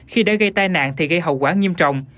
khi đã gây tai nạn thì gây hậu quả nghiêm trọng